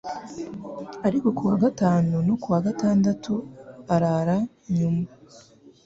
ariko ku wa gatanu no ku wa gatandatu, arara nyuma.